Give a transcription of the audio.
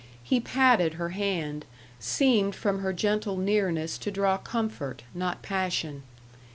He patted her hand, seemed from her gentle nearness to draw comfort not passion.